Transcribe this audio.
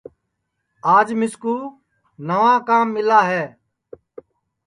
آج مِسکُو نئوا کام مِلا ہے